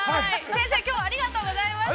先生、きょうはありがとうございました。